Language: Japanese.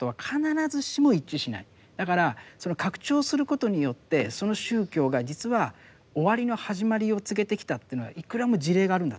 だからその拡張することによってその宗教が実は終わりの始まりを告げてきたというのはいくらも事例があるんだと思うんですよ。